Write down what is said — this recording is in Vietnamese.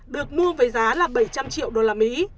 được mua với giá là bảy trăm linh triệu đô la mỹ